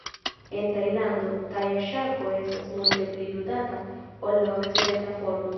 En Tajlando, taja ŝako estas multe pli ludata ol la okcidenta formo.